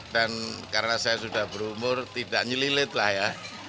dan karena saya sudah berumur tidak nyelilit lah ya